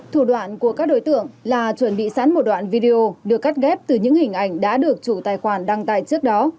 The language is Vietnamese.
thủ đoạn của các đối tượng là chuẩn bị sẵn một đoạn video được cắt ghép từ những hình ảnh đã được chủ tài khoản đăng tải trước đó